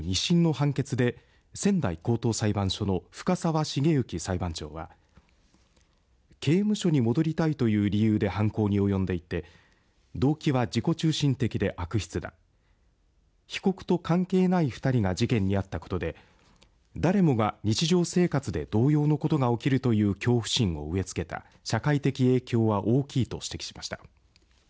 きょうの二審の判決で仙台高等裁判所の深沢茂之裁判長は刑務所に戻りたいという理由で犯行に及んでいて動機は自己中心的で悪質だ被告と関係ない２人が事件に遭ったことで誰もが日常生活で同様のことが起きるという恐怖心を植えつけた社会的影響は大きいと指摘しました。